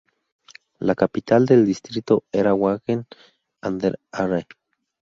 La capital del distrito era Wangen an der Aare.